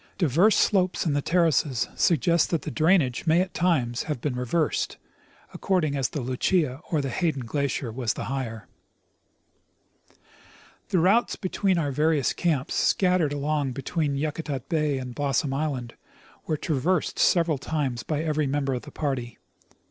Diverse slopes in the terraces suggest that the drainage may at times have been reversed, ac cording as the Lucia or the Hayden glacier was the higher. The routes between our various camps, scattered along between Yakutat bay and Blossom islancl, were traversed several times by every member of the party.